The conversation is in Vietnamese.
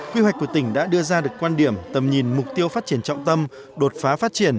quy hoạch của tỉnh đã đưa ra được quan điểm tầm nhìn mục tiêu phát triển trọng tâm đột phá phát triển